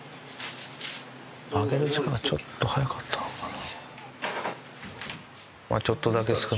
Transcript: あげる時間ちょっと早かったのかな。